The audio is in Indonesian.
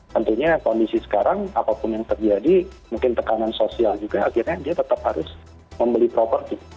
tentunya kondisi sekarang apapun yang terjadi mungkin tekanan sosial juga akhirnya dia tetap harus membeli properti